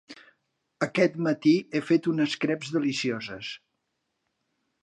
Aquest matí he fet unes creps delicioses.